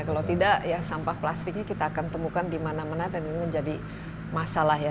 kalau tidak ya sampah plastiknya kita akan temukan di mana mana dan ini menjadi masalah ya